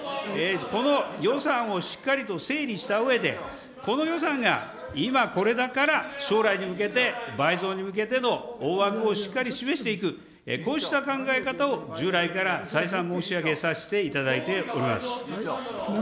この予算をしっかりと整理したうえで、この予算が今これだから将来に向けて、倍増に向けての大枠をしっかり示していく、こうした考え方を従来から、再三申し上げさせていただいております。